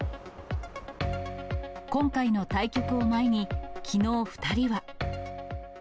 今回の対局を前に、きのう２人は。